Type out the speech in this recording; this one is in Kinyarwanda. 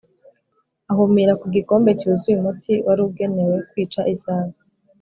ahumira ku gikombe cyuzuye umuti wari ugenewe kwica isazi